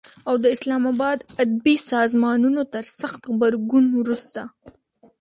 او د اسلام آباد ادبي سازمانونو تر سخت غبرګون وروسته